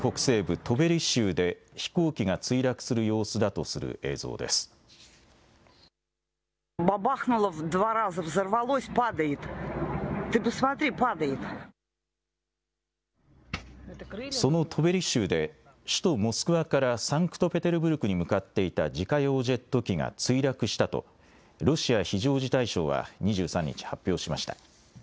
ロシアの北西部トベリ州で飛行機が墜落する様子だとするそのトベリ州で首都モスクワからサンクトペテルブルクに向かっていた自家用ジェット機が墜落したとロシア非常事態省は２３日発表しました。